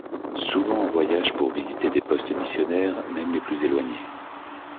Souvent en voyage pour visiter des postes missionnaires, même les plus éloignés.